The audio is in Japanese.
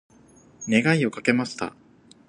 願いをかけました。